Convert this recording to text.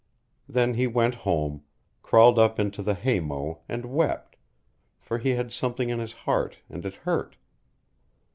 Then he went home, crawled up into the haymow and wept, for he had something in his heart and it hurt.